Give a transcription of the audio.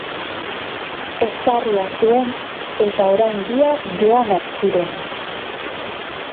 Ezarria zuen eta orain biak joanak ziren.